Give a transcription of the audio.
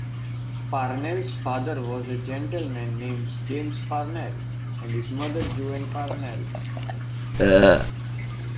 Parnell's father was a gentleman named James Parnell, and his mother Joan Parnell.